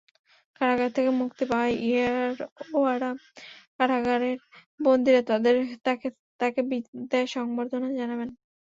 কারাগার থেকে মুক্তি পাওয়ায় ইয়েরওয়াড়া কারাগারের বন্দীরা তাঁকে বিদায় সংবর্ধনা জানাবেন।